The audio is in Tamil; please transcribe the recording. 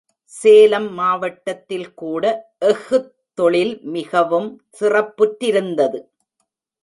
சேலம் மாவட்டத்தில் கூட எஃகுத் தொழில் மிகவும் சிறப்புற்றிருந்தது.